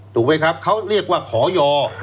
ถูกไหมครับเขาเรียกว่าขอยอ